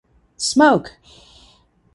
Smoke!